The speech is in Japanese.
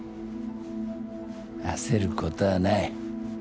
焦ることはない。